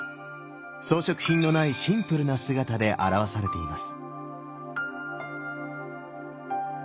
装飾品のないシンプルな姿で表されています。